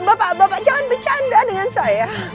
bapak bapak jangan bercanda dengan saya